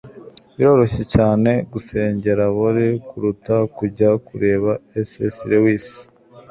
biroroshye cyane gusengera bore kuruta kujya kureba - c s lewis